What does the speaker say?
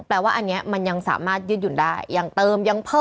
แปลว่าอันนี้มันยังสามารถยืดหยุ่นได้ยังเติมยังเพิ่ม